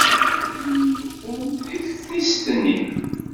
Nsan deg teftist-nni.